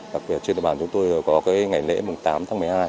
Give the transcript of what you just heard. đặc biệt trên đoạn bàn chúng tôi có ngày lễ tám tháng một mươi hai